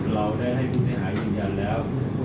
เราได้ให้ผู้เสียหายวิญญาณแล้ว